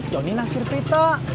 johnny naksir prita